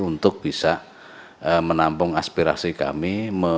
untuk bisa menampung aspirasi kami